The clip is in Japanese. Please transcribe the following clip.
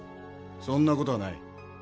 そんな事はない。